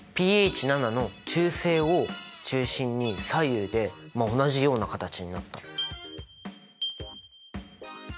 ｐＨ７の中性を中心に左右でまあ同じような形になった。